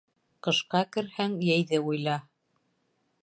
Ҡышҡа керһәң, йәйҙе уйла.